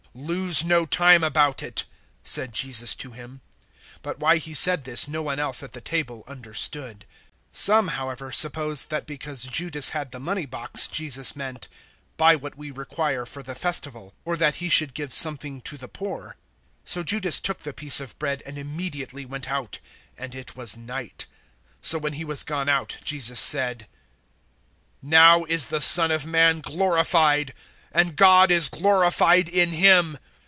"Lose no time about it," said Jesus to him. 013:028 But why He said this no one else at the table understood. 013:029 Some, however, supposed that because Judas had the money box Jesus meant, "Buy what we require for the Festival," or that he should give something to the poor. 013:030 So Judas took the piece of bread and immediately went out. And it was night. 013:031 So when he was gone out, Jesus said, "Now is the Son of Man glorified, and God is glorified in Him.